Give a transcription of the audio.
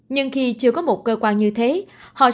nhưng khi chưa có một cơ quan như thế họ sẽ không biết